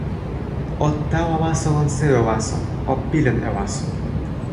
o tawa waso, lon sewi waso, o pilin e waso!